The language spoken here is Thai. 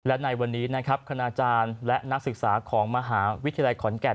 และในวันนี้นักฐานและนักศึกษาของมหาวิทยาลัยกรอนแก่น